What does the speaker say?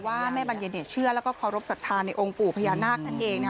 แม่บรรเย็นเชื่อแล้วก็เคารพสัทธาในองค์ปู่พญานาคนั่นเอง